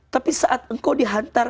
tapi saat engkau dihantar